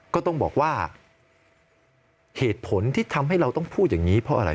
ก็ต้องบอกว่าเหตุผลที่ทำให้เราต้องพูดอย่างนี้เพราะอะไร